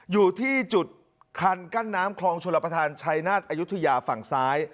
อยู่ที่จุดคันกั้นน้ำคลองชลประธานชายนาฏอายุทยาฝั่งซ้าย